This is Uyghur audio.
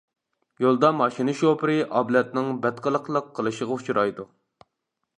يولدا ماشىنا شوپۇرى ئابلەتنىڭ بەتقىلىقلىق قىلىشىغا ئۇچرايدۇ.